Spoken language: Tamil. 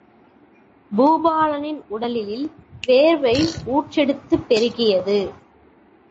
பூபாலனின் உடலில் வேர்வை ஊற்றெடுத்துப் பெருகியது.